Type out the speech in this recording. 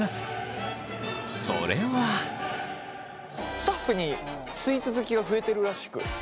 スタッフにスイーツ好きが増えてるらしく。